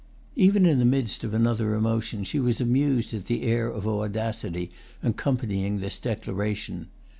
Even in the midst of another emotion she was amused at the air of audacity accompanying this declaration.